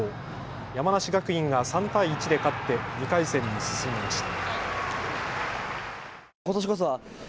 山梨学院が３対１で勝って２回戦に進みました。